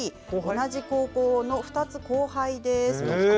同じ高校の２つ後輩です。